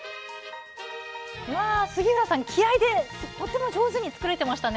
杉浦さん気合いでとても上手に作れていましたね。